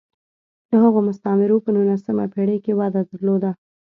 د هغو مستعمرو په نولسمه پېړۍ کې وده درلوده.